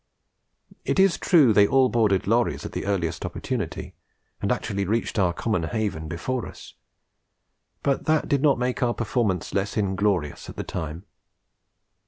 It is true they all boarded lorries at the earliest opportunity, and actually reached our common haven before us; but that did not make our performance less inglorious at the time.